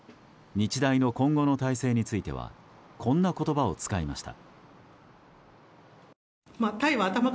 日大の今後の体制についてはこんな言葉を使いました。